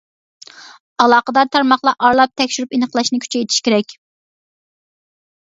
ئالاقىدار تارماقلار ئارىلاپ تەكشۈرۈپ ئېنىقلاشنى كۈچەيتىشى كېرەك.